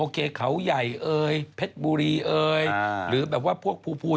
เขาใหญ่เอลแพ็ดบุรีเอลหรือแบบพวกผูนอะไร